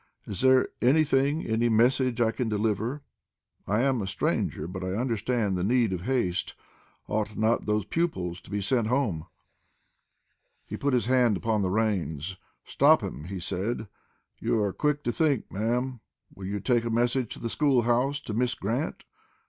Is there anything any message I can deliver? I am a stranger, but I understand the need of haste. Ought not those pupils to be sent home?" He put his hand upon the reins. "Stop him," he said. "You are quick to think, madam. Will you take a message to the school house to Miss Grant?"